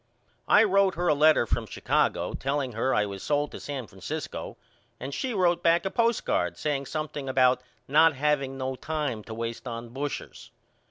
I wrote her a letter from Chicago telling her I was sold to San Francisco and she wrote back a postcard saying something about not haveing no time to waste on bushers.